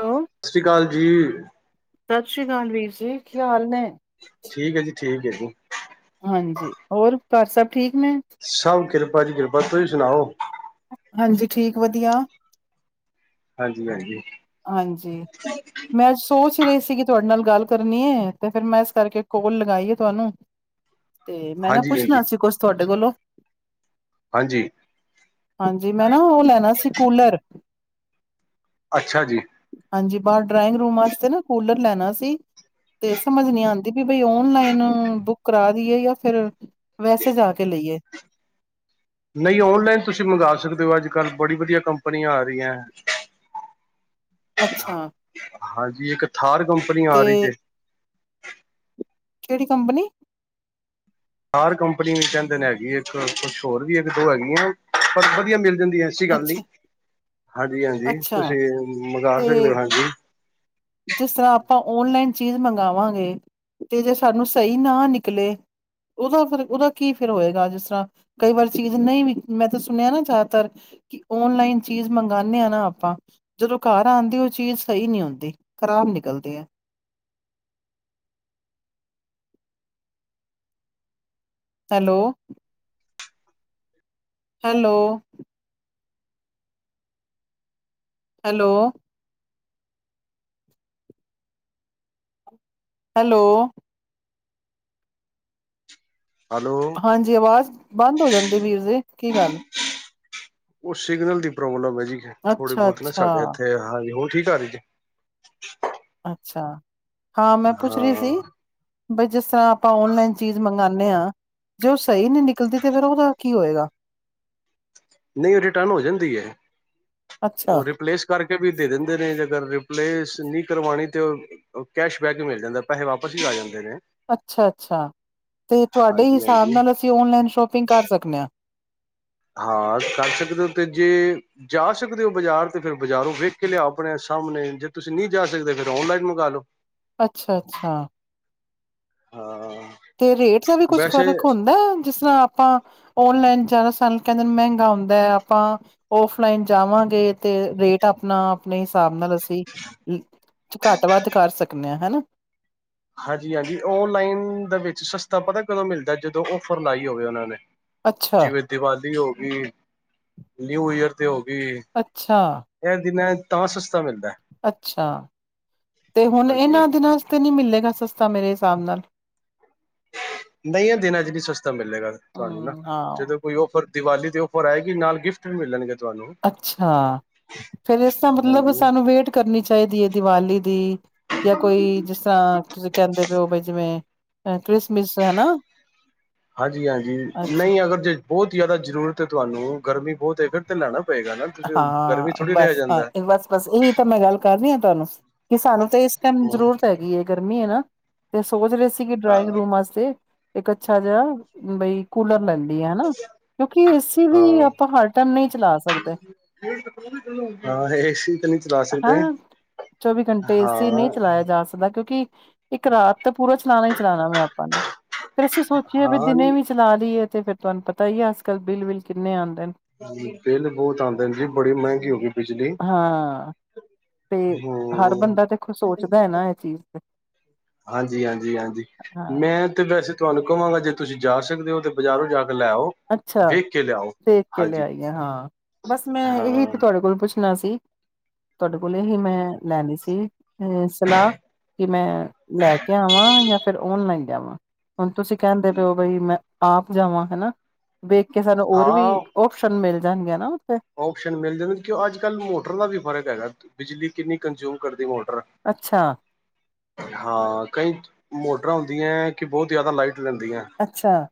Hello ਸਤਿ ਸ੍ਰੀ ਅਕਾਲ ਜੀ। ਸਤਿ ਸ੍ਰੀ ਅਕਾਲ ਵੀਰ ਜੀ, ਕੀ ਹਾਲ ਨੇ ਠੀਕ ਹੈ ਜੀ ਠੀਕ ਹੈ ਜੀ ਹਾਂਜੀ, ਹੋਰ ਘਰ ਸਭ ਠੀਕ ਨੇ ਸਭ ਕਿਰਪਾ ਜੀ ਕਿਰਪਾ ਤੁਸੀਂ ਸੁਣਾਓ ਹਾਂਜੀ, ਠੀਕ ਵਧੀਆ ਹਾਂਜੀ- ਹਾਂਜੀ। ਹਾਂਜੀ ਮੈਂ ਅੱਜ ਸੋਚ ਹੀ ਰਹੀ ਸੀ ਕਿ ਤੁਹਾਡੇ ਨਾਲ ਗੱਲ ਕਰਨੀਏ, ਤੇ ਫਿਰ ਮੈਂ ਇਸ ਕਰਕੇ ਕੋਲ ਲਗਾਈ ਹੈ ਤੁਹਾਨੂੰ ਤੇ ਮੈਂ ਨਾ ਹਾਂਜੀ ਹਾਂਜੀ ਪੁੱਛਣਾ ਸੀ ਕੁਛ ਤੁਹਾਡੇ ਕੋਲੋਂ ਹਾਂਜੀ ਹਾਂਜੀ ਮੈਂ ਨਾ ਉਹ ਲੈਣਾ ਸੀ ਕੂਲਰ ਅੱਛਾ ਜੀ ਹਾਂਜੀ ਬਾਹਰ ਡਰਾਇੰਗ ਰੂਮ ਵਾਸਤੇ ਨਾ ਕੂਲਰ ਲੈਣਾ ਸੀ ਤੇ ਸਮਝ ਨੀ ਆਉਂਦੀ ਵੀ ਬਈ ਔਨਲਾਈਨ ਬੁੱਕ ਕਰਾ ਦੀਏ ਜਾਂ ਫਿਰ ਵੈਸੇ ਜਾ ਕੇ ਲਈਏ ਨਹੀਂ ਔਨਲਾਈਨ ਤੁਸੀਂ ਮੰਗਵਾ ਸਕਦੇ ਹੋ ਅੱਜ ਕੱਲ੍ਹ ਬੜੀ ਵਧੀਆ ਕੰਪਨੀਆਂ ਆ ਰਹੀਆਂ ਹੈ [inaudible] ਅੱਛਾ ਹਾਂਜੀ, ਇੱਕ ਥਾਰ ਕੰਪਨੀ ਆ ਤੇ ਰਹੀ ਜੇ ਕਿਹੜੀ ਕੰਪਨੀ ਥਾਰ ਕੰਪਨੀ ਕਹਿੰਦੇ ਨੇ ਹੈਗੀ ਇੱਕ ਕੁਛ ਹੋਰ ਵੀ ਇੱਕ ਦੋ ਹੈਗੀਆਂ ਪਰ ਵਧੀਆ ਮਿਲ ਜਾਂਦੀਆਂ ਐਸੀ ਗੱਲ ਨੀ, ਅੱਛਾ ਹਾਂਜੀ -ਹਾਂਜੀ ਅੱਛਾ ਤੁਸੀਂ ਮੰਗਵਾ ਸਕਦੇ ਤੇ ਹੋ ਹਾਂਜੀ ਜਿਸ ਤਰ੍ਹਾਂ ਆਪਾਂ ਓਨਲਾਈਨ ਚੀਜ਼ ਮੰਗਗਾਵਾਂਗੇ, ਤੇ ਜੇ ਸਾਨੂੰ ਸਹੀ ਨਾ ਨਿਕਲੇ ਉਹਦਾ ਫਿਰ ਉਹਦਾ ਕੀ ਫਿਰ ਹੋਏਗਾ ਜਿਸ ਤਰ੍ਹਾਂ ਕਈ ਵਾਰ ਚੀਜ਼ ਨਹੀਂ, ਵੀ ਮੈਂ ਤਾਂ ਸੁਣਿਆ ਨਾ ਜ਼ਿਆਦਾਤਰ ਕਿ ਔਨਲਾਈਨ ਚੀਜ਼ ਮੰਗਨੇ ਹਾਂ ਨਾ ਆਪਾਂ, ਜਦੋਂ ਘਰ ਆਉਂਦੇ ਉਹ ਚੀਜ਼ ਸਹੀ ਨਹੀਂ ਆਉਂਦੀ ਖ਼ਰਾਬ ਨਿਕਲਦੇ ਹੈ hello hello hello hello hello ਹਾਂਜੀ, ਆਵਾਜ਼ ਬੰਦ ਹੋ ਜਾਂਦੀ ਵੀਰ ਜੀ, ਕੀ ਗੱਲ ਉਹ ਸਿਗਨਲ ਦੀ ਪ੍ਰੋਬਲਮ ਹੈ ਜੀ ਥੋੜੀ ਅੱਛਾ ਬਹੁਤ ਨਾ ਸਾਡੇ ਅੱਛਾ ਇੱਥੇ, ਹਾਂਜੀ ਹੋ ਠੀਕ ਆ ਰਹੀ ਜੀ? ਅੱਛਾ, ਹਾਂ ਮੈਂ ਪੁੱਛ ਰਹੀ ਸੀ ਹਾਂ ਬਈ ਜਿਸ ਤਰ੍ਹਾਂ ਆਪਾਂ ਔਨਲਾਈਨ ਚੀਜ਼ ਮੰਗਨੇ ਆ ਜੇ ਉਹ ਸਹੀ ਨਹੀਂ ਨਿਕਲਦੀ, ਤੇ ਫਿਰ ਉਹਦਾ ਕੀ ਹੋਏਗਾ ਨਹੀਂ ਉਹ ਰਿਟਰਨ ਹੋ ਜਾਂਦੀ ਹੈ, ਅੱਛਾ, ਉਹ ਰਿਪਲੇਸ ਕਰਕੇ ਵੀ ਦੇ ਦਿੰਦੇ ਨੇ ਜੇਗਰ ਰਿਪਲੇਸ ਨਹੀਂ ਕਰਵਾਣੀ ਤੇ ਕੈਸ਼ਬੈਕ ਮਿਲ ਜਾਂਦਾ ਪੈਸੇ ਵਾਪਸ ਹੀ ਆ ਜਾਂਦੇ ਨੇ ਅੱਛਾ ਅੱਛਾ ਅਤੇ ਤੁਹਾਡੇ ਹਾਂਜੀ ਹਿਸਾਬ ਹਾਂਜੀ ਨਾਲ ਅਸੀਂ ਔਨਲਾਈਨ ਸ਼ੋਪਿੰਗ ਕਰ ਸਕਦੇ ਹਾਂ ਹਾਂ ਕਰ ਸਕਦੇ ਹੋ ਤੇ ਜੇ ਜਾ ਸਕਦੇ ਹੋ ਬਾਜ਼ਾਰ ਤੇ ਫਿਰ ਬਾਜ਼ਾਰੋਂ ਵੇਖ ਕੇ ਲਿਆ ਆਪਣੇ ਸਾਹਮਣੇ ਜੇ ਤੁਸੀਂ ਨਹੀਂ ਜਾ ਸਕਦੇ ਫਿਰ ਔਨਲਾਈਨ ਮੰਗਵਾ ਲਓ ਅੱਛਾ ਅੱਛਾ ਹਾਂ ਤੇ ਰੇਟ ਦਾ ਵੀ ਕੁੱਛ ਵੈਸੇ ਫ਼ਰਕ ਹੁੰਦਾ ਜਿਸ ਤਰ੍ਹਾਂ ਆਪਾਂ ਔਨਲਾਈਨ ਜ਼ਿਆਦਾ ਸਾਨੂੰ ਕਹਿੰਦੇ ਨੇ ਮਹਿੰਗਾ ਹੁੰਦਾ ਆਪਾਂ ਔਫਲਾਈਨ ਜਾਵਾਂਗੇ ਤੇ ਰੇਟ ਅਪਣਾ ਆਪਣੇ ਹਿਸਾਬ ਨਾਲ ਅਸੀਂ ਘੱਟ ਵੱਧ ਕਰ ਸਕਦੇ ਹਾਂ ਹਨਾ ਹਾਂਜੀ ਹਾਂਜੀ, ਔਨਲਾਈਨ ਦਾ ਵਿੱਚ ਸਸਤਾ ਪਤਾ ਕਦੋਂ ਮਿਲਦਾ ਜਦੋਂ ਔਫਰ ਲਾਈ ਹੋਵੇ ਉਹਨਾਂ ਨੇ ਅੱਛਾ ਜਿਵੇਂ ਦੀਵਾਲੀ ਹੋ ਗਈ ਨਿਊ ਈਅਰ ਹੋਗੀ ਅੱਛਾ ਇਹ ਦਿਨਾਂ ਚ, ਤਾਂ ਸਸਤਾ ਮਿਲਦਾ ਅੱਛਾ, ਤੇ ਹੁਣ ਹਾਂਜੀ ਇਹਨਾਂ ਦਿ ਨਾਸਤੇ ਨਹੀਂ ਮਿਲੇਗਾ ਸਸਤਾ ਮੇਰੇ ਹਿਸਾਬ ਨਾਲ ਨਹੀਂ ਆ ਦਿਨਾਂਜ ਵੀ ਸਸਤਾ ਮਿਲੇਗਾ ਤੁਹਾਨੂੰ ਨਾ ਹੂੰ, ਹਾਂ ਜਦੋਂ ਕੋਈ ਔਫਰ ਦੀਵਾਲੀ ਦੇ ਔਫਰ ਆਏਗੀ ਨਾਲ ਗਿਫਟ ਵੀ ਮਿਲਣਗੇ ਤੁਹਾਨੂੰ ਅੱਛਾ ਫਿਰ ਇਸ ਤ ਮਤਲਬ ਹਾਂਜੀ। ਸਾਨੂੰ ਵੇਟ ਕਰਨੀ ਚਾਹੀਦੀ ਹੈ ਦੀਵਾਲੀ ਦੀ ਜਾਂ ਕੋਈ ਜਿਸ ਤਰ੍ਹਾਂ ਤੁਸੀਂ ਕਹਿੰਦੇ ਪਏ ਹੋ ਬ ਜਿਵੇਂ ਫੈਕਟਰੀ ਮਿਸ ਹਨਾ ਹਾਂਜੀ ਹਾਂਜੀ, ਅੱਛਾ ਨਹੀਂ ਅਗਰ ਜੇ ਬਹੁਤ ਜ਼ਿਆਦਾ ਜ਼ਰੂਰਤ ਹੈ ਤੁਹਾਨੂੰ ਗਰਮੀ ਬਹੁਤ ਹੈ ਫਿਰ ਤੇ ਲੈਣਾ ਪਏਗਾ ਨਾ, ਗਰਮੀ ਹਾਂ ਥੋੜੀ ਰਹਿ ਬਸ ਜਾਂਦਾ ਹਾਂ ਬਸ ਬਸ ਇਹੀ ਤਾਂ ਮੈਂ ਗੱਲ ਕਰ ਰਹੀ ਹਾਂ ਤੁਹਾਨੂੰ, ਕਿ ਸਾਨੂੰ ਤਾਂ ਇਸ ਟਾਈਮ ਜ਼ਰੂਰਤ ਹੈਗੀ ਹੈ ਗਰਮੀ ਹੈ ਨਾ ਤੇ ਸੋਚ ਰਹੇ ਸੀ ਕਿ ਡਰਾਇੰਗ ਹਾਂ ਰੂਮ ਵਾਸਤੇ, ਇੱਕ ਅੱਛਾ ਜਿਹਾ, ਬਈ ਕੂਲਰ ਲੈਂਨੀ ਹੈ, ਹਨਾ ਕਿਉਂਕਿ ਏਸੀ ਵੀ ਹਾਂ ਆਪਾਂ ਹਰ ਟਾਈਮ ਨਹੀਂ ਚਲਾ ਸਕਦੇ ਹਾਂ, ਏ ਸੀ ਹਾਂ ਚੌਵੀ ਘੰਟੇ ਅੇ ਸੀ ਹਾਂ ਨਹੀਂ ਚਲਾਇਆ ਜਾ ਸਕਦਾ ਕਿਉਂਕਿ ਇੱਕ ਰਾਤ ਤਾਂ ਪੂਰਾ ਚਲਾਣਾ ਹੀ ਚਲਾਣਾ ਮੈਂ ਆਪਾਂ ਨੇ, ਫਿਰ ਅਸੀਂ ਸੋਚੀਏ ਵੀ ਹਾਂ ਦਿਨੇ ਵੀ ਚਲਾ ਰਏ ਤੇ ਫਿਰ ਤੁਹਾਨੂੰ ਪਤਾ ਹੀ ਹੈ ਅੱਜ ਕੱਲ ਬਿੱਲ ਬਿੱਲ ਕਿਨੇ ਆਉਂਦੇ ਨੇ ਬਿੱਲ ਬਹੁਤ ਆਂਦੇ ਨੇ ਜੀ, ਬੜੀ ਮਹਿੰਗੀ ਹੋ ਗਈ ਬਿਜਲੀ ਹਾਂ, ਤੇ ਹਰ ਹਮ ਬੰਦਾ ਤੇ ਸੋਚਦਾ ਹੈ ਨਾ ਇਹ ਚੀਜ਼ ਤੇ ਹਾਂਜੀ ਹਾਂਜੀ ਹਾਂਜੀ, ਹਾਂ ਮੈਂ ਤੇ ਵੈਸੇ ਤੁਹਾਨੂੰ ਕਹਵਾਂਗਾ ਜੇ ਤੁਸੀਂ ਜਾ ਸਕਦੇ ਹੋ ਤੇ ਬਾਜ਼ਾਰੋਂ ਜਾ ਕੇ ਲੈ ਆਓ ਅੱਛਾ ਵੇਖ ਕੇ ਲਿਆਓ ਦੇਖ ਕੇ ਹਾਂਜੀ ਲਿਆਈਏ ਹਾਂ, ਬਸ ਮੈਂ ਇਹੀ ਹਾਂ, ਤੇ ਤੁਹਾਡੇ ਕੋਲ ਪੁੱਛਣਾ ਸੀ ਤੁਹਾਡੇ ਕੋਲ ਹੀ ਮੈਂ ਲੈਂਨੀ ਸੀ ਅ ਸਲਾਹ ਕਿ ਮੈਂ ਲੈ ਕੇ ਆਵਾਂ, ਜਾਂ ਫਿਰ ਔਨਲਾਈਨ ਜਾਵਾਂ ਤੁਸੀ ਕਹਿੰਦੇ ਪਏ ਔ ਮੈਂ ਆਪ ਜਾਵਾਂ ਵੇਖ ਕੇ ਸਾਨੂੰ ਹੋਰ ਵੀ ਔਪਸ਼ਨ ਮਿਲ ਜਾਨਗੇ ਨਾ ਉੱਥੇ, ਔਪਸ਼ਨ ਮਿਲ ਜਾਂਦੇ, ਕਿਉਂ ਅੱਜ-ਕੱਲ੍ਹ ਮੋਟਰ ਦਾ ਵੀ ਫਰਕ ਹੈਗਾ, ਬਿਜਲੀ ਕਿੰਨੀ ਕੰਜਊਮ ਕਰਦੀ ਮੋਟਰ ਅੱਛਾ, ਹਾਂ, ਕਈ ਮੋਟਰਾਂ ਹੁੰਦੀਆਂ ਹੈ, ਕਿ ਬਹੁਤ ਜ਼ਿਆਦਾ ਲਾਈਟ ਲੈਂਦੀਏ। ਅੱਛਾ,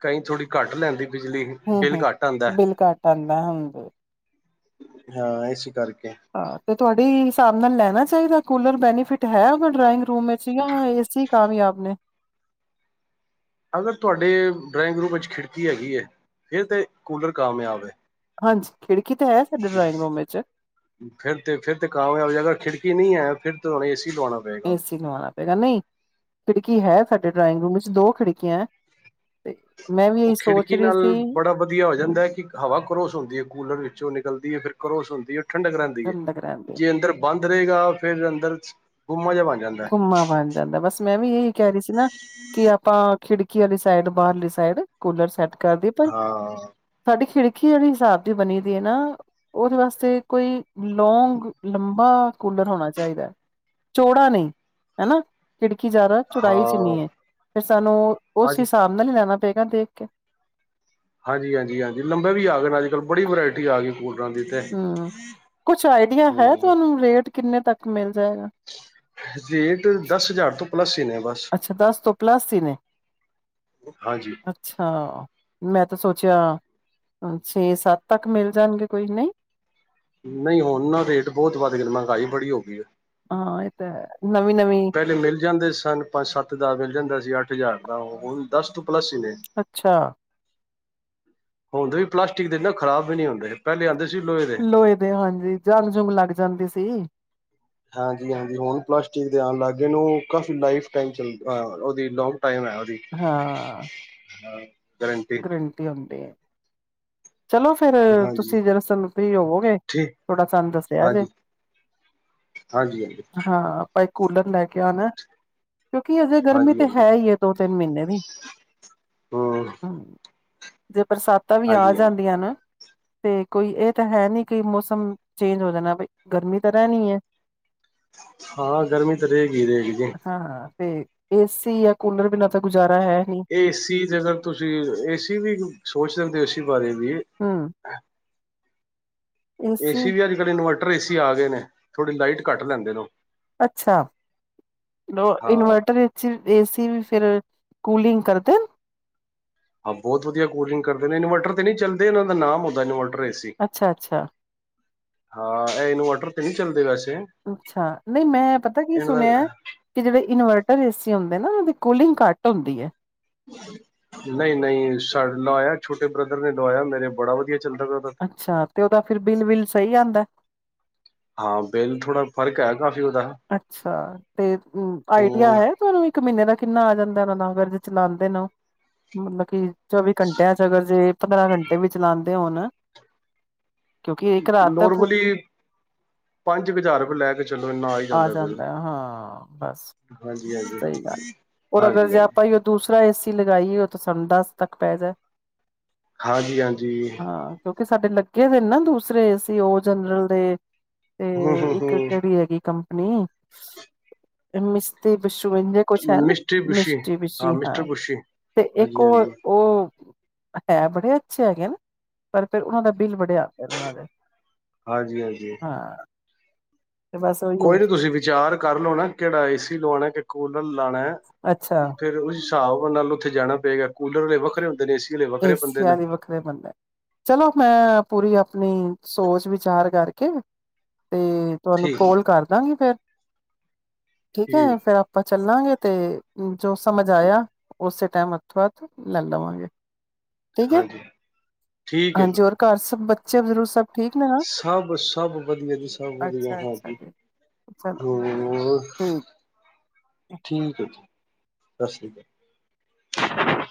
ਕਈ ਥੋੜ੍ਹੀ ਘੱਟ ਲੈਂਦੀ ਬਿਜਲੀ, ਹਮ ਬਿੱਲ ਹਮ ਘੱਟ ਆਦੇਂ। ਬਿੱਲ ਘੱਟ ਆਉਂਦਾ ਹਮ ਹਾਂ ਏਸ ਕਰਕੇ ਹਾਂ ਤੇ ਤੁਹਾਡੇ ਹਿਸਾਬ ਨਾਲ ਲੈਣਾ ਚਾਹੀਦਾ, ਕੂਲਰ ਬੈਨੀਫਿਟ ਹੈ ਉਹਦਾ ਡਰਾਇੰਗ ਰੂਮ ਵਿੱਚ ਜਾਂ ਏਸੀ ਕਾਮਯਾਬ ਨੇ, ਅਗਰ ਤੁਹਾਡੇ ਡਰਾਇੰਗ ਰੂਮ ਇਚ ਖਿੜਕੀ ਹੈਗੀ ਏ, ਫਿਰ ਤੇ ਕੂਲਰ ਕਾਮਯਾਬ ਏ ਹਾਂਜੀ ਖਿੜਕੀ ਤੇ ਹੈ, ਸਾਡੇ ਡਰਾਇੰਗ ਰੂਮ ਵਿੱਚ ਫਿਰ ਤੇ ਫਿਰ ਤੇ ਕਾਮਯਾਬ, ਅਗਰ ਖਿੜਕੀ ਨਹੀਂ ਹੈ ਫਿਰ ਤਾਂ ਏ ਸੀ ਲਵਾਉਣਾ। ਪਏਗਾ। ਏ ਸੀ ਲਵਾਉਣਾ ਪਏਗਾ ਨਹੀਂ, ਖਿੜਕੀ ਹੈ ਸਾਡੇ ਡਰਾਇੰਗ ਰੂਮ ਵਿੱਚ ਦੋ ਖਿੜਕੀਆਂ ਹੈ। ਤੇ ਮੈਂ ਵੀ ਉਹ ਇਹੀ ਸੋਚ ਖਿੜਕੀ ਰਹੀ ਨਾਲ, ਸੀ ਬੜਾ ਵਧੀਆ ਹੋ ਜਾਂਦਾ ਹੈ ਕਿ ਹਵਾ ਕਰੋਸ ਹੁੰਦੀ ਹੈ ਕੂਲਰ ਵਿੱਚੋਂ ਨਿਕਲਦੀ ਹੈ ਫਿਰ ਕਰੋਸ ਹੁੰਦੀ ਹੈ ਉਹ ਠੰਡਕ ਰਹਿੰਦੀ ਹੈ, ਠੰਡਕ ਰਹਿੰਦੀ ਜੇ ਅੰਦਰ ਬੰਦ ਰਹੇਗਾ, ਫੇਰ ਅੰਦਰ ਗੁੰਮਾ ਜਿਹਾ ਬੰਣ ਗੁੰਮਾ ਬਣ ਜਾਂਦਾ, ਬਸ ਮੈਂ ਵੀ ਇਹੀ ਕਹਿ ਰਹੀ ਸੀ ਨਾ ਕੀ ਆਪਾਂ ਖਿੜਕੀ ਆਲੀ ਸਾਈਡ ਬਾਹਰਲੀ ਸਾਈਡ, ਕੂਲਰ ਸੈੱਟ ਕਰਦੀਏ। ਹਾਂ, ਸਾਡੀ ਖਿੜਕੀ [unintelligible] ਹਿਸਾਬ ਦੀ ਬਣੀ ਦੀ ਐ ਨਾ, ਉਹਦੇ ਵਾਸਤੇ ਕੋਈ ਲੌਂਗ ਲੰਬਾ, ਕੂਲਰ ਹੋਣਾ ਚਾਹੀਦਾ ਹੈ। ਚੌੜਾ ਨਹੀਂ, ਹੇਨਾ ਖਿੜਕੀ ਜ਼ਿਆਦਾ ਚੌੜਾਈ ਹਾਂ ਚਿੰਨੀ ਹੈ, ਫਿਰ ਸਾਨੂੰ ਉਸ ਹਾਂਜੀ ਹਿਸਾਬ ਨਵਾ ਨੀ ਲੈਨਾ, ਪਏਗਾ ਦੇਖ ਕੇ। ਹਾਂਜੀ-ਹਾਂਜੀ-ਹਾਂਜੀ, ਲੰਬੇ ਵੀ ਆ ਗੇ ਨੇ ਅੱਜ-ਕੱਲ੍ਹ, ਬੜੀ ਵਰਾਇਟੀ ਆ ਗਈ ਕੂਲਰਾਂ ਦੀ ਤੇ ਹੂੰ ਕੁਛ ਆਈਡੀਆ ਹੈ, ਹੂੰ ਤੁਹਾਨੂੰ ਰੇਟ ਕਿੰਨੇ ਤੱਕ ਮਿਲ ਜਾਏਗਾ? ਰੇਟ ਦਸ ਹਜ਼ਾਰ ਤੋਂ ਪਲੱਸ ਹੀ ਨੇ ਬਸ ਅੱਛਾ, ਦਸ ਤੋਂ ਪਲੱਸ ਹੀ ਨੇ, ਹਾਂਜੀ ਅੱਛਾ, ਮੈਂ ਤੇ ਸੋਚਿਆ, ਛੇ ਸੱਤ ਤੱਕ ਮਿਲ ਜਾਣਗੇ ਕੋਈ ਨਹੀਂ ਨਹੀਂ ਹੁਣ ਨਾ ਰੇਟ ਬਹੁਤ ਵੱਧ ਗੇ ਨੇ, ਮਹਿੰਗਾਈ ਬੜੀ ਹੋ ਗਈ ਏ ਹਾਂ ਇਹ ਤਾਂ ਹੇ, ਨਵੀਂ-ਨਵੀਂ, ਪਿਹਲੇ ਮਿਲ ਜਾਂਦੇ ਸਨ ਪੰਜ ਸੱਤ ਦਾ ਮਿਲ ਜਾਂਦਾ ਸੀ, ਅੱਠ ਹਜ਼ਾਰ ਦਾ, ਉਹ ਹੁਨ ਤੇ ਦਸ ਤੋਂ ਪਲੱਸ ਹੀ ਨੇ। ਅੱਛਾ, ਹੁਣ ਦੇ ਵੀ ਪਲਾਸਟਿਕ ਦੇਨਾ ਖ਼ਰਾਬ ਵੀ ਨੀ ਹੁੰਦੇ। ਪਹਿਲੇ ਆਉਂਦੇ ਸੀ ਦੇ ਲੋਹੇ ਦੇ ਹਾਂਜੀ ਜੰਗ-ਜੁਗ ਲੱਗ ਜਾਂਦੀ ਸੀ। ਹਾਂਜੀ-ਹਾਂਜੀ, ਹੁਣ ਪਲਾਸਟਿਕ ਦੇ ਆਣ ਲਾਗੇ ਔ ਹੁਨ ਕਾਫ਼ੀ ਲਾਈਫ ਟੇਮ ਚਲ ਉਹਦੀ ਲੋਂਗ ਟਾਈਮ ਹੈ ਉਹਦੀ ਹਾਂ, ਹਾਂ ਕਰਨ ਗਰੰਟੀ ਹੁੰਦੀ ਏ, ਚਲੋ ਫੇਰ ਹਾਂਜੀ ਤੁਸੀਂ ਜਰਾ ਸਾਨ ਫ੍ਰੀ ਹੋਵੋਗੇ, ਠੀਕ ਥੋੜਾ ਸਾਨੂੰ ਦੱਸਿਆ ਜੇ। ਹਾਂਜੀ-ਹਾਂਜੀ, ਹਾਂ ਆਪਾਂ ਇਕ ਕੂਲਰ ਲੈ ਕੇ ਆਨੇ, ਕਿਉਂਕਿ ਅਜੇ ਗਰਮੀ ਹਾਂਜੀ ਹਾਂਜੀ ਤਾਂ ਹੈ ਹੀ ਹੈ। ਦੋ ਤਿੰਨ ਮਹੀਨੇ ਦੀ, ਹਮ ਹੂੰ ਜੇ ਬਰਸਾਤਾ ਵੀ ਆ। ਹਾਂਜੀ ਹਾਂਜੀ ਦੀ ਐ ਨਾ, ਤੇ ਕੋਈ ਇਹ ਤੇ ਹੈ, ਨੀ ਕਿ ਮੌਸਮ ਚੇਂਜ ਹੋ ਜਾਣਾ, ਬਈ ਗਰਮੀ ਤੇ ਰਹਿਣੀ ਐ। [unintelligible] ਹਾਂ ਗਰਮੀ ਤੇ ਰਹੇਗੀ ਰਹੇਗੀ ਜੇ। ਹਾਂ ਤੇ ਏਸੀ ਯਾ ਕੂਲਰ ਬਿਨਾਂ ਤਾਂ ਗੁਜ਼ਾਰਾ ਹੈ ਨੀ, ਏਸੀ ਅਗਰ ਤੁਸੀਂ, ਏ ਸੀ ਵੀ ਸੋਚ ਦਿੰਦੇ ਹੋ ਏ ਬਾਰੇ ਵੀ, ਹਾਂ, ਏਸੀ ਵੀ ਅੱਜ-ਕੱਲ੍ਹ ਇਨਵਰਟਰ ਏਸੀ ਆ ਗਏ ਨੇ, ਥੋੜੀ ਲਾਈਟ ਘੱਟ ਲੈਂਦੇ ਨੇ, ਅੱਛਾ, ਹਾਂ ਇਨਵਰਟਰ ਏਸੀ ਵੀ ਫੇਰ ਕੂਲਿੰਗ ਕਰਦੇ ਹਾਂ ਬਹੁਤ ਵਧੀਆ ਕੂਲਿੰਗ ਕਰਦੇ ਨੇ ਇਨਵਰਟਰ ਤੇ ਨਹੀਂ ਚੱਲਦੇ, ਇਹਨਾਂ ਦਾ ਨਾਮ ਹੁੰਦਾ ਇਨਵਰਟਰ ਏ ਸੀ ਅੱਛਾ -ਅੱਛਾ। ਹਾਂ, ਇਹ ਇਨਵਰਟਰ ਤੇ ਨਹੀਂ ਚੱਲਦੇ ਵੈਸੇ ਅੱਛਾ, ਨਹੀਂ ਮੈਂ ਪਤਾ ਕੀ ਇਹਨਾਂ ਦਾ ਸੁਣਿਆ ਕਿ ਜਿਹੜੇ ਇਨਵਰਟਰ ਏ ਸੀ ਹੁੰਦੇ ਨਾ, ਉਹ ਦੀ ਕੂਲਿੰਗ ਘੱਟ ਹੁੰਦੀ ਹੈ। ਨਹੀਂ -ਨਹੀਂ ਸਾ ਲਵਾਇਆ ਛੋਟੇ ਬ੍ਰਦਰ ਨੇ ਲਵਾਇਆ ਮੇਰੇ ਬੜਾ ਵਧੀਆ ਚੱਲਦਾ ਪਿਆ ਤੇ ਅੱਛਾ, ਤੇ ਉਹਦਾ ਫਿਰ ਬਿੱਲ -ਬਿੱਲ ਸਹੀ ਆਉਂਦਾ। ਹਾਂ ਬਿੱਲ ਥੋੜ੍ਹਾ ਫ਼ਰਕ ਹੈ ਕਾਫ਼ੀ ਉਹਦਾ ਅੱਛਾ, ਤੇ ਆਈਡੀਆ ਹੂੰ ਹੈ। ਤੁਹਾਨੂੰ ਇੱਕ ਮਹੀਨੇ ਦਾ ਕਿੰਨਾ ਆ ਜਾਂਦਾ ਤਾਂ ਕਰ ਕੇ ਚਲਾਉਂਦੇ, ਨੇ ਮਤਲਬ ਕੀ ਚੌਵੀ ਘੰਟਿਆਂ ਚ ਅਗਰ ਜੇ ਪੰਦਰਾਂ ਘੰਟੇ ਵੀ ਚਲਾਂਦੇ ਹੋਣ, ਕਿਉਂਕਿ ਇੱਕ ਰਾਤ ਤੇ ਪੂ ਨੋਰਮਲੀ ਪੰਜ ਹਜ਼ਾਰ ਰੁਪਏ ਲੈ ਕੇ ਚਲੋ ਇੰਨਾ ਆਈ। ਆ ਜਾਂਦਾ, ਹਾਂ ਬਸ, ਹਾਂਜੀ ਹਾਂਜੀ ਸਹੀ ਗੱਲ ਰ ਅਗਰ ਹਾਂਜੀ ਜੇ ਹਾਂਜੀ ਆਪਾਂ ਹੀ, ਦੂਸਰਾ ਏਸੀ ਲਗਾਈਏ, ਉਹ ਤਾਂ ਸਾਨੂੰ ਦਸ ਤੱਕ ਪੈ ਜਾਏ। ਹਾਂਜੀ- ਹਾਂਜੀ। ਹਾਂ, ਕਿਉਂਕਿ ਸਾਡੇ ਲੱਗੇ ਦੇ ਨਾ ਦੂਸਰੇ ਸੀ ਉਹ ਜਨਰਲ ਦੇ ਤੇ ਹੂੰ ਹੂੰ ਇੱਕ ਹੂੰ ਜਿਹੜੀ ਹੈਗੀ ਕੰਪਨੀ, ਮਿਸਤੀ ਬਸ਼ੂ ਇਜ ਕੁਛ ਹੈ ਨਾ, ਮਿਸਟਰੀ ਬੁਸ਼ੀ ਮਿਸਟੀ ਵਿਸ਼ੀ ਹਾਂ ਮਿਸਟਰ ਬੁਸ਼ੀ ਤੇ ਇੱਕ ਹਾਂਜੀ ਉਹ ਹਾਂਜੀ -ਉਹ ਹੈ ਬੜੇ ਅੱਛੇ ਹੈਗੇ ਨਾ, ਪਰ ਫਿਰ ਉਹਨਾਂ ਦਾ ਬਿੱਲ ਬੜੇ ਆਉਦਾ ਫ ਉਹਨਾਂ ਦੇ ਹਾਂਜੀ -ਹਾਂਜੀ। ਹਾਂ। ਤੇ ਬਸ ਉਹੀ ਕੋਈ ਨੀ, ਤੁਸੀਂ ਵਿਚਾਰ ਕਰ ਲੋ ਨਾ ਕਿਹੜਾ ਏ ਸੀ ਲਵਾਉਣਾ, ਕਿ ਕੂਲਰ ਲਾਉਣਾ। ਅੱਛਾ ਫੇਰ ਉਸ ਹਿਸਾਬ ਨਾਲ ਉੱਥੇ ਜਾਣਾ ਪਏਗਾ ਕੂਲਰ ਵੱਖਰੇ ਹੁੰਦੇ ਨੇ ਏ ਸੀ ਏ ਸੀ ਆ ਦੀ ਵੱਖ ਬੰਦਾ ਚਲੋ, ਮੈਂ ਪੂਰੀ ਆਪਣੀ ਸੋਚ ਵਿਚਾਰ ਕਰਕੇ ਤੇ ਤੁਹਾਨੂੰ ਠੀਕ ਕੋਲ ਕਰ ਦਾਂਗੀ ਫੇਰ, ਠੀਕ ਹੈ ਫੇਰ ਆਪਾਂ ਚੱਲਾਂਗੇ ਤੇ ਜੋ ਸਮਝ ਠੀਕ ਆਇਆ, ਉਸੇ ਟਾਈਮ ਹੱਥੋਂ ਹੱਥ ਲੈ ਲਵਾਂਗੇ। ਠੀਕ ਹੈ, ਹਾਂਜੀ ਠੀਕ ਹੈ ਜੀ ਹਾਂਜੀ ਹੋਰ ਘਰ ਸਭ ਬੱਚੇ ਬਜ਼ਰੁਰਗ ਸਭ ਠੀਕ ਨੇ ਨਾ ਸਭ ਸਭ ਵਧੀਆ ਜੀ ਸਭ ਵਧੀਆ ਅੱਛਾ ਅੱਛਾ ਹਾਂਜੀ ਜੀ ਚਲੋ ਹੋ! ਠੀਕ ਠੀਕ ਹੈ, ਜੀ ਸਤਿ ਸ਼੍ਰੀ ਅਕਾਲ।